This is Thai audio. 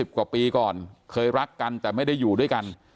กว่าปีก่อนเคยรักกันแต่ไม่ได้อยู่ด้วยกัน